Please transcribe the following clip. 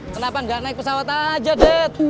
kenapa nggak naik pesawat aja ded